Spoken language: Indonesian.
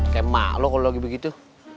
kayak malu kalo lagi begitu